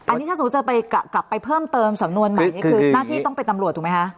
อันนี้ถ้าสมมุติจะไปกลับไปเพิ่มเติมสำนวนใหม่นี่คือหน้าที่ต้องเป็นตำรวจถูกไหมคะ